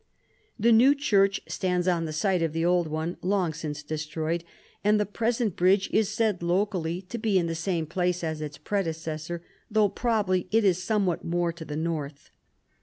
The new church stands on the site of the old one long since destroyed, and the present bridge is said locally to be in the same place as its predecessor, though probably it is somewhat more to the north.